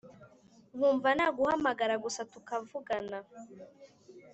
nkwumva naguhamagara gusa tukavugana